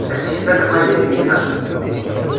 Asif-a lqay akken ilaq.